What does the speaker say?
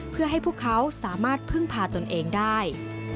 เพื่อให้พวกเขาสามารถพึ่งพาตนเองได้